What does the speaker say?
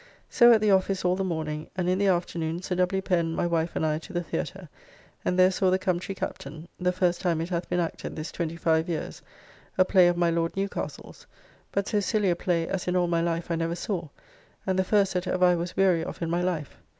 So at the office all the morning, and in the afternoon Sir W. Pen, my wife and I to the Theatre, and there saw "The Country Captain," the first time it hath been acted this twenty five years, a play of my Lord Newcastle's, but so silly a play as in all my life I never saw, and the first that ever I was weary of in my life.